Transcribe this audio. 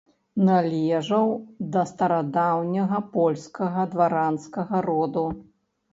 Належаў да старадаўняга польскага дваранскага роду.